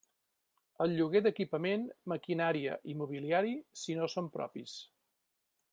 El lloguer d'equipament, maquinària i mobiliari, si no són propis.